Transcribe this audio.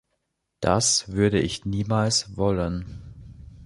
Das würde ich niemals wollen.